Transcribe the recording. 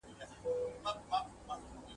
ګوندي تحلیلونو تر جګړو زیاته تباهي راوړې ده.